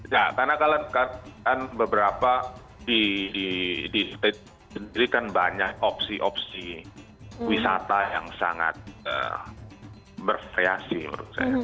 ya karena kalau di indonesia kan beberapa di sendiri kan banyak opsi opsi wisata yang sangat bervariasi menurut saya